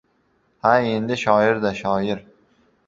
— Ha endi, shoir-da, shoir...